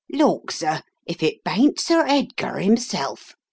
"Lawks, sir, if it bain't Sir Edgar himself!"